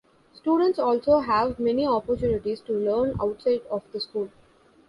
Students also have many opportunities to learn outside of the school.